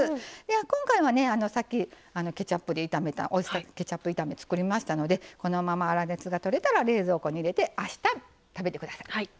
今回は、さっきケチャップで炒めたオイスターケチャップ炒め作りましたのでこのまま粗熱がとれましたら冷蔵庫に入れてあした、食べてください。